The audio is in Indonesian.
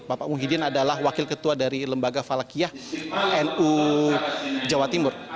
bapak muhyidin adalah wakil ketua dari lembaga falakiyah nu jawa timur